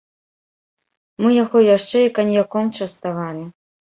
Мы яго яшчэ і каньяком частавалі.